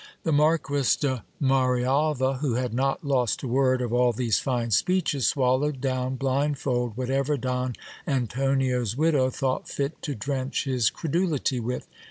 The Marquis de Marialva, who had not lost a word of all these fine speeches, swallowed down blindfold whatever Don Antonio's widow thought fit to drench his credulity with.